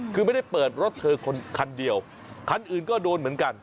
คือไม่ได้เปิดรถเธอคันเดียวคันอื่นก็โดนเหมือนกัน